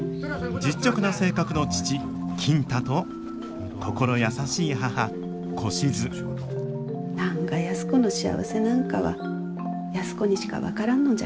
実直な性格の父金太と心優しい母小しず何が安子の幸せなんかは安子にしか分からんのじゃからな。